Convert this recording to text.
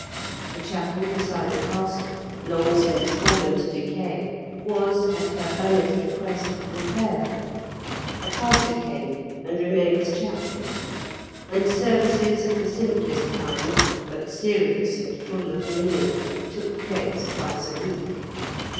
The chapel beside the castle, long since fallen to decay, was, at her earnest request, repaired; a pastor came and remained as chaplain, and services, of the simplest kind, but serious and full of meaning, took place twice a week.